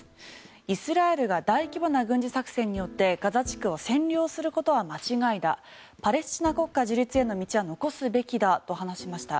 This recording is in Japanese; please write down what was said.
イスラエルが大規模な軍事作戦によってガザ地区を占領することは間違いだパレスチナ国家自立への道は残すべきだと話しました。